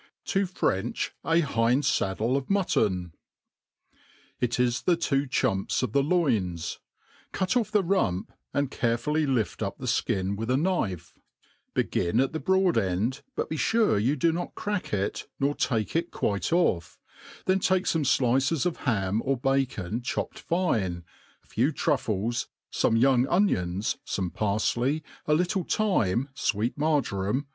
TV Trmch a Hind Saddle of Mutton* ., IT is the two chumps of the loins* Cut off the ruit^, dnd carefully MADE PLAIN AND EASY. 47 ^arefttflj lift tip the &in with a knife : begin at the broad eod^ but be fare you do not crack it nor/fake ft quite off; then take ioine flices of ham or bacon cboppe'd fine, a few trufflet, fooic young onions, fome parfley, a little thyme, fweet marjoramy.